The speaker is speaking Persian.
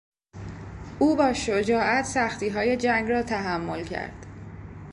او با شجاعت سختیهای جنگ را تحمل کرد.